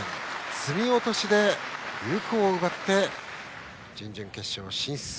すみ落としで有効を奪って準々決勝進出。